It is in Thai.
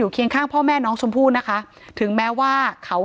ถ้าใครอยากรู้ว่าลุงพลมีโปรแกรมทำอะไรที่ไหนยังไง